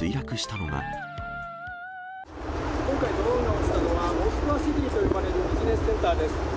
今回、ドローンが落ちたのは、モスクワ・シティと呼ばれるビジネスセンターです。